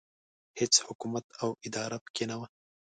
هېڅ حکومت او اداره پکې نه وه.